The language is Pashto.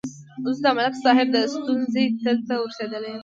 زه اوس د ملک صاحب د ستونزې تل ته ورسېدلم.